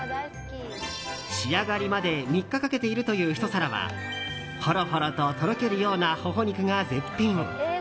仕上がりまで３日かけているというひと皿はほろほろととろけるようなホホ肉が絶品。